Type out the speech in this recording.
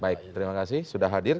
baik terima kasih sudah hadir